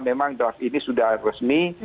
memang draft ini sudah resmi